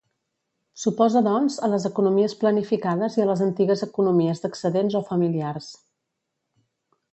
S'oposa doncs a les economies planificades i a les antigues economies d'excedents o familiars.